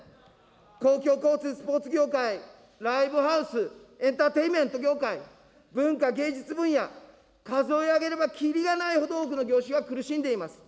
公共交通、スポーツ業界、ライブハウス、エンターテイメント業界、文化芸術分野、数え上げれば切りがないほど多くの業種が苦しんでいます。